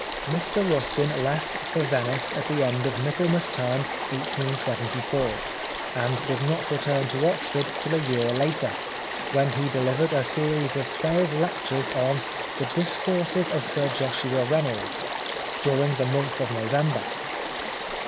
Mr Ruskin left for Venice at the end of Michaelmas Term 1874, and did not return to Oxford till a year later, when he delivered a series of twelve lectures on "The Discourses of Sir Joshua Reynolds," during the month of November.